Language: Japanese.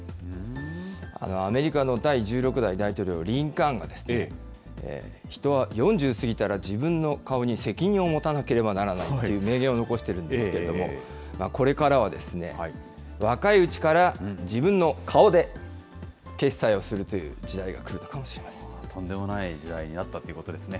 アメリカの第１６代大統領、リンカーンが人は４０過ぎたら自分の顔に責任を持たなければならないという名言を残してるんですけれども、これからは若いうちから自分の顔で決済をするという時代が来るかとんでもない時代になったということですね。